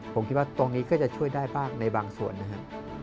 ผมคิดว่าตรงนี้ก็จะช่วยได้บ้างในบางส่วนนะครับ